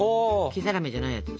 黄ざらめじゃないやつ。